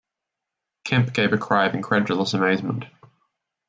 Kemp gave a cry of incredulous amazement.